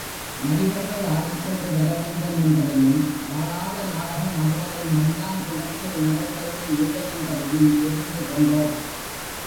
நடிகர்கள் ஆடிக்கொண்டு வரவேண்டும் என்பதையும், ஆடாத நாடகம் அதுவரை மல்லாங்கிணற்றில் நடந்ததே இல்லை யென்பதையும் தெரிந்து கொண்டோம்.